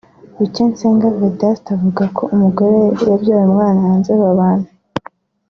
Bucyensenge Vedaste avuga ko umugore yabyaye umwana hanze babana